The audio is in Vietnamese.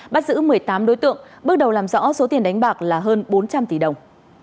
bắt giữ một mươi tám đối tượng bước đầu làm rõ số tiền đánh bạc là hơn bốn trăm linh tỷ đồng